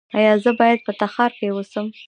ایا زه باید په تخار کې اوسم؟